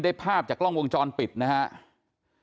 ภาพจากกล้องวงจรปิดนะครับ